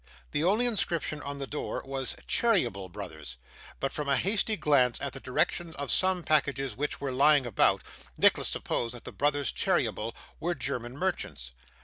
The only inscription on the door post was 'Cheeryble, Brothers;' but from a hasty glance at the directions of some packages which were lying about, Nicholas supposed that the brothers Cheeryble were German merchants.